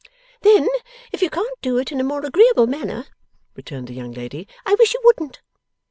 'Then if you can't do it in a more agreeable manner,' returned the young lady, 'I wish you wouldn't.